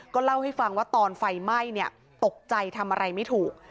เล่าให้ฟังว่าตอนไฟไหม้ตกใจทำอะไรไม่ถูก